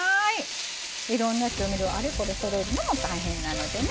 いろんな調味料をあれこれそろえるのも大変なのでね。